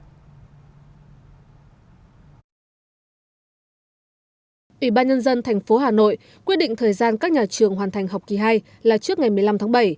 ủy ban nhân dân thành phố hà nội quyết định thời gian các nhà trường hoàn thành học kỳ hai là trước ngày một mươi năm tháng bảy